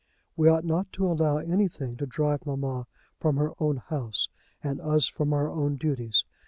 We ought not to allow anything to drive mamma from her own house, and us from our own duties.